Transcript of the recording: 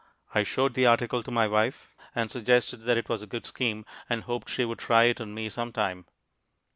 I showed the article to my wife and suggested that it was a good scheme, and hoped she would try it on me sometime.